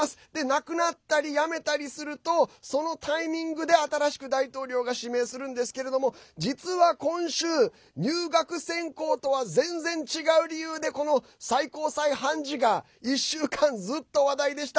亡くなったり辞めたりするとそのタイミングで新しく大統領が指名するんですけれども実は今週入学選考とは全然違う理由でこの最高裁判事が１週間ずっと話題でした。